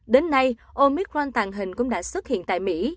đến nay omicron tàng hình cũng đã xuất hiện tại mỹ